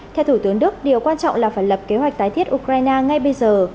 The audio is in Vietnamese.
theo thủ tướng đức điều quan trọng là phải lập kế hoạch tái thiết ukraine ngay bây giờ